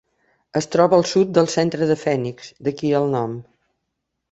Es troba al sud del centre de Phoenix, d'aquí el nom.